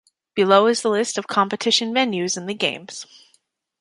Below is the list of competition venues in the Games.